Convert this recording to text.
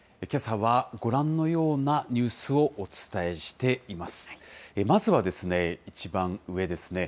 けさはご覧のようなニュースをお伝えしています。